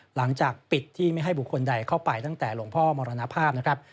หลังจากปิดที่ไม่ให้บุคคลใดเข้าไปตั้งแต่หลวงพ่อมรณภาพนะครับ